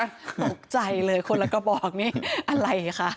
ตกใจเลยคนละกระบอกนี่อะไรคะ